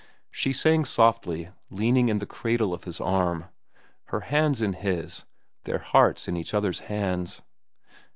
She sang softly, leaning in the cradle of his arm, her hands in his, their hearts in each other's hands.